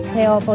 theo phó giáo sư